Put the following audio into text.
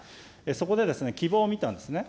そこで希望を見たんですね。